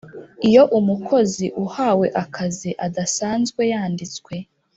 Iyo umukozi uhawe akazi adasanzwe yanditswe